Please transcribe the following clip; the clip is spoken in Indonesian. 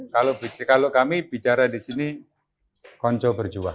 kalau kami bicara di sini konco berjuang